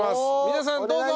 皆さんどうぞ！